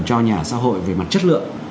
cho nhà xã hội về mặt chất lượng